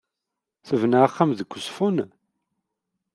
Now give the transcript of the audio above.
Tebna axxam deg Uzeffun?